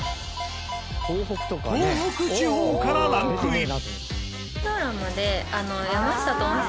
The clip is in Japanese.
東北地方からランクイン。